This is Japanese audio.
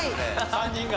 ３人が。